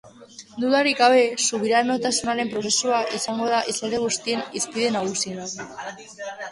Dudarik gabe, subiranotasunaren prozesua izango da hizlari guztien hizpide nagusiena.